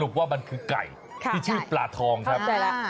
สรุปว่ามันคือไก่ที่ชื่อปลาทองครับ